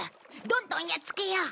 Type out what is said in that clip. どんどんやっつけよう！